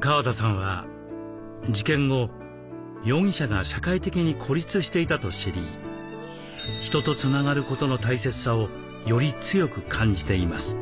川田さんは事件後容疑者が社会的に孤立していたと知り人とつながることの大切さをより強く感じています。